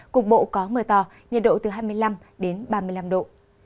cục bộ có mưa to nhiệt độ từ hai mươi năm đến ba mươi năm độ